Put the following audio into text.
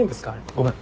ごめん。